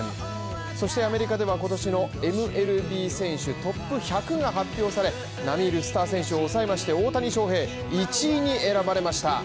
そして、アメリカでは今年のＭＬＢ選手トップ１００が発表され並み居るスター選手を押さえまして大谷翔平、１位に選ばれました。